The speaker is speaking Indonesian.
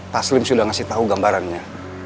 taslim sudah ngasih tahu gambarannya